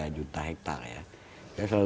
tiga juta hektare ya saya selalu